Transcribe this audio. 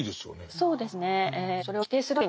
そうですねええ。